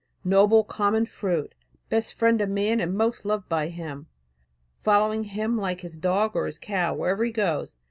Noble common fruit, best friend of man and most loved by him, following him like his dog or his cow, wherever he goes.